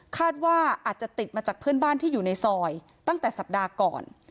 คาดว่าอาจจะติดมาจากเพื่อนบ้านที่อยู่ในซอยตั้งแต่สัปดาห์ก่อน